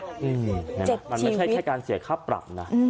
เจ็บชีวิตมันไม่ใช่แค่การเสียค่าปรับนะ